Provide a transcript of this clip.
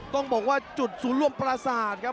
ต้องบอกว่าจุดศูนย์รวมปราศาสตร์ครับ